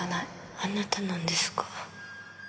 あなたなんですか？